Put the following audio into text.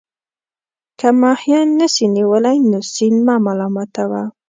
که ماهيان نسې نيولى، نو سيند مه ملامت وه.